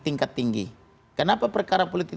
tingkat tinggi kenapa perkara politik